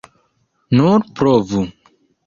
Nur provu.